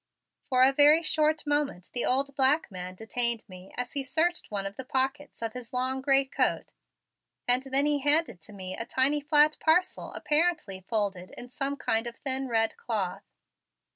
For a very short moment the old black man detained me as he searched one of the pockets of his long gray coat and then he handed to me a tiny flat parcel apparently folded in some kind of thin red cloth.